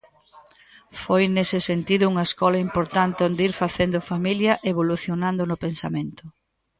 Foi nese sentido unha escola importante onde ir facendo familia e evolucionando no pensamento.